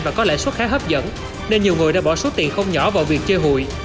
và có lãi suất khá hấp dẫn nên nhiều người đã bỏ số tiền không nhỏ vào việc chơi hụi